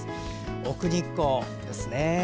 奥日光ですね。